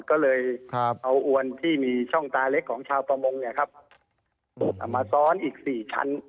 ก็เลยเอาอวนที่มีช่องตาเล็กของชาวประมงเนี่ยครับมาซ้อนอีก๔ชั้น